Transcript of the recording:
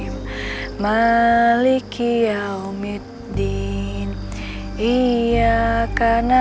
l maturity atau tidak ada apa apa